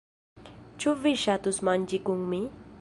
Ĉu vi ŝatus manĝi kun mi?